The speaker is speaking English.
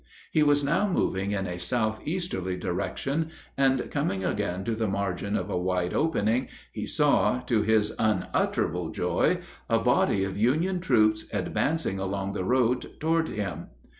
He was now moving in a southeasterly direction, and coming again to the margin of a wide opening, he saw, to his unutterable joy, a body of Union troops advancing along the road toward him.